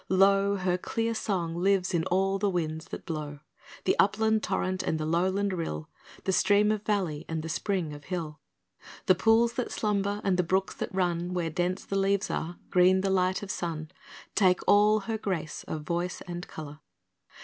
Lo, Her clear song lives in all the winds that blow; The upland torrent and the lowland rill, The stream of valley and the spring of hill, The pools that slumber and the brooks that run Where dense the leaves are, green the light of sun, Take all her grace of voice and colour.